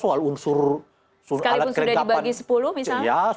sekalipun sudah dibagi sepuluh misalnya